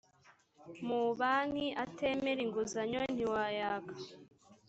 mu banki atemera inguzanyo ntiwayaka